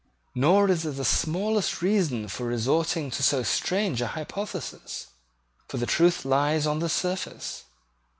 Nor is there the smallest reason for resorting to so strange a hypothesis. For the truth lies on the surface.